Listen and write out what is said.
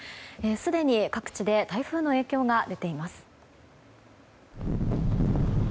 すでに各地で台風の影響が出ています。